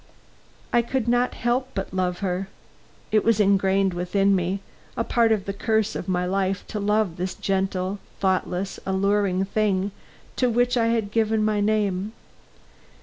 I could not help but love her. It was ingrained within me; a part of the curse of my life to love this gentle, thoughtless, alluring thing to which I had given my name.